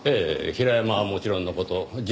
平山はもちろんの事実